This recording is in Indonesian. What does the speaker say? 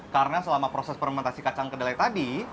karena selama proses pementasi kacang kedelai tadi